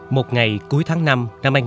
một ngày cuối tháng năm năm hai nghìn một mươi bốn